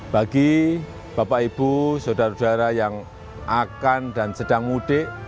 bagi bapak ibu saudara saudara yang akan dan sedang mudik